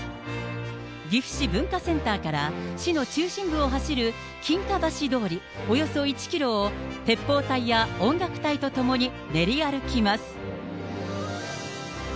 岐阜市文化センターから、市の中心部を走る金華橋通りおよそ１キロを、鉄砲隊や音楽隊と共に練り歩きます。